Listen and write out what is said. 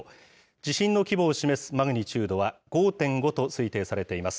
地震の規模を示すマグニチュードは５．５と推定されています。